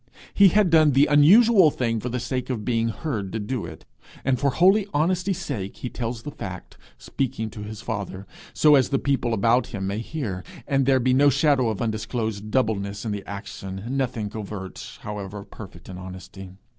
He had done the unusual thing for the sake of being heard do it, and for holy honesty sake he tells the fact, speaking to his father so as the people about him may hear, and there be no shadow of undisclosed doubleness in the action nothing covert, however perfect in honesty.